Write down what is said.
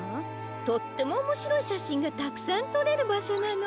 とってもおもしろいしゃしんがたくさんとれるばしょなの。